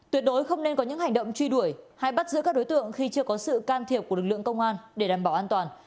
tuyệt đối không nên có những hành động truy đuổi hay bắt giữ các đối tượng khi chưa có sự can thiệp của lực lượng công an để đảm bảo an toàn